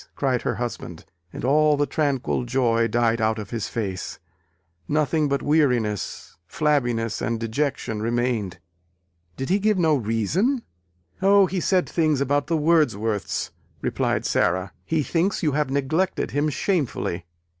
cried her husband: and all the tranquil joy died out of his face; nothing but weariness, flabbiness and dejection remained. "Did he give no reason?" "O, he said things about the Wordsworths," replied Sara. "He thinks you have neglected him shamefully.